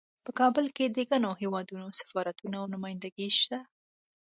په کابل کې د ګڼو هیوادونو سفارتونه او نمایندګۍ شته